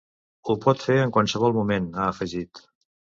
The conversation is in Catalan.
Ho pot fer en qualsevol moment, ha afegit.